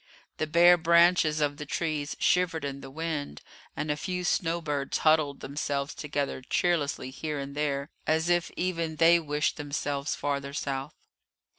The bare branches of the trees shivered in the wind, and a few snowbirds huddled themselves together cheerlessly here and there, as if even they wished themselves farther south.